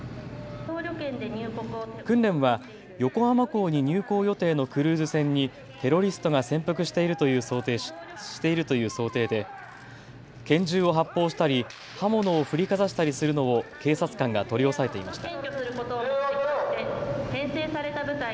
訓練は、横浜港に入港予定のクルーズ船にテロリストが潜伏しているという想定で拳銃を発砲したり刃物を振りかざしたりするのを警察官が取り押さえていました。